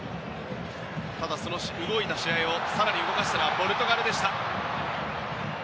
ただ、その動いた試合を更に動かしたのはポルトガルでした。